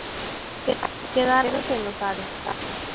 Quedaron terceros en los aros.